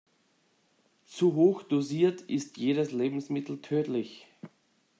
Zu hoch dosiert ist jedes Lebensmittel tödlich.